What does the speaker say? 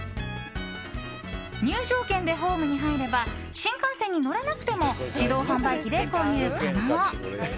入場券でホームに入れば新幹線に乗らなくても自動販売機で購入可能。